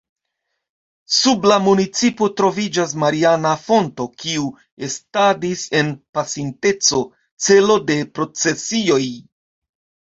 Sub la municipo troviĝas mariana fonto, kiu estadis en pasinteco celo de procesioj.